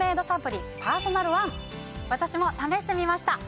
私も試してみました。